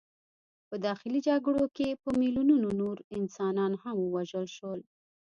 په داخلي جګړو کې په میلیونونو نور انسانان هم ووژل شول.